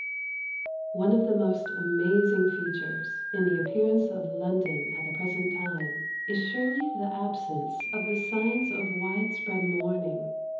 _ One of the most amazing features in the appearance of London at the present time is surely the absence of the signs of widespread mourning.